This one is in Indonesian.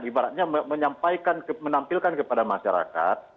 ibaratnya menyampaikan menampilkan kepada masyarakat